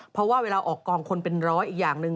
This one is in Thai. เพราะว่าเวลาออกกองคนเป็นร้อยอีกอย่างหนึ่ง